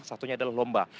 satunya adalah lomba